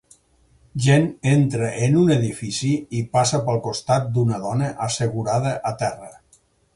Gent entra en un edifici i passa pel costat d'una dona assegurada a terra.